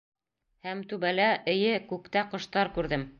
Һәм түбәлә, эйе, күктә ҡоштар күрҙем...